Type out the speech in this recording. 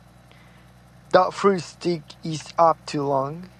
The fruit stalk is up to long.